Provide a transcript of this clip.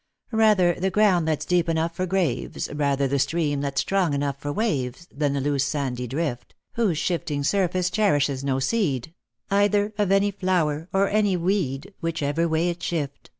*•" Rather the ground that's deep enough for graves, Bather the stream that's strong enough for waves. Than the loose sandy drift, Whose shifting surface cherishes no seed Either of any flower or any weed, Which ever way it shift."